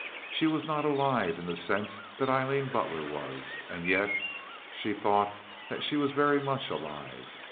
She was not alive in the sense that Aileen Butler was, and yet she thought that she was very much alive.